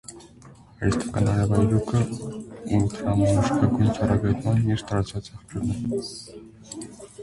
Արհեստական արևայրուքը ուտրամանուշակագույն ճառագայթման մյուս տարածված աղբյուրն է։